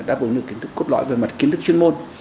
đáp ứng được kiến thức cốt lõi về mặt kiến thức chuyên môn